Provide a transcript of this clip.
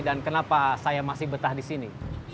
dan kenapa saya masih betah di sini